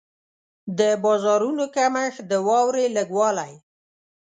د بارانونو کمښت، د واورې لږ والی.